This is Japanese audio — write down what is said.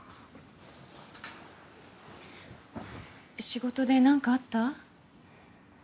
仕事で何かあった？